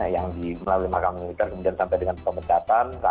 yang di melalui makam militer kemudian sampai dengan pemecatan